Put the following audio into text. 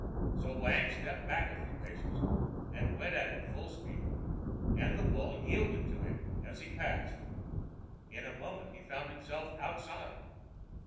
ã So Wang stepped back a few paces and went at it full speed; and the wall yielding to him as he passed, in a moment he found himself outside.